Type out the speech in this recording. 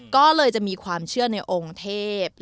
ก็เลยจะมีความเชื่อในองค์เทพ